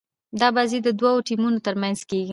دا بازي د دوه ټيمونو تر منځ کیږي.